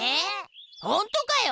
ほんとかよ！